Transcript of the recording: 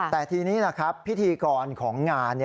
แต่ทีนี้ล่ะครับพิธีกรของงาน